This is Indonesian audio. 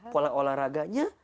pola olahraga nya